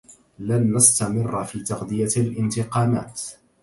لن نستمرّ في تغذية الانتقامات.